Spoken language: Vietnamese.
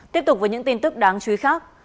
tiếp tục với những tin tức đáng chú ý khác